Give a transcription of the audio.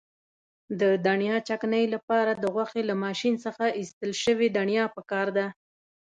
د دڼیا چکنۍ لپاره د غوښې له ماشین څخه ایستل شوې دڼیا پکار ده.